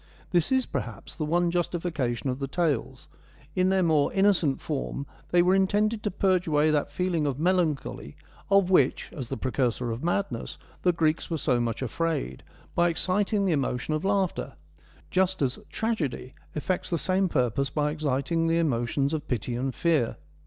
This is, perhaps, the one justification of the tales ; in their more innocent form they were intended to purge away that feeling of melancholy of which, as the precursor of madness, the Greeks were so much afraid, by exciting the emotion of laughter ; just as tragedy effects the same purpose by exciting the emotions of pity and fear.